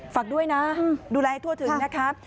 ฝากด้วยนะดูแลให้ทั่วถึงนะครับ